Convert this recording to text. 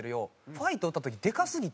『ファイト！』歌う時でかすぎて。